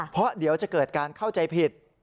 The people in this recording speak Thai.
เพราะเดี๋ยวจะเกิดการเข้าใจผิด